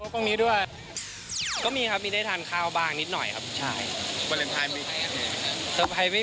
ค่อยเรียนรู้กันไปแล้วเราก็ไม่ได้